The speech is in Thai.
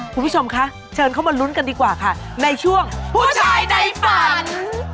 คุณผู้ชมคะเชิญเข้ามาลุ้นกันดีกว่าค่ะในช่วงผู้ชายในฝัน